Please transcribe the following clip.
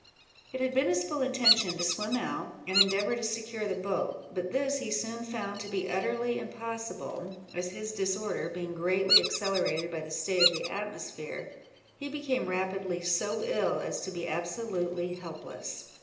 It had been his full intention to swim out, and endeavour to secure the boat; but this he soon found to be utterly impossible, as his disorder being greatly accelerated by the state of the atmosphere, he became rapidly so ill, as to be absolutely helpless.